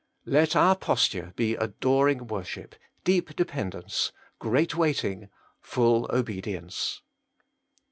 4. Let our posture be adoring worship, deep de pendence, great waiting, full obedience.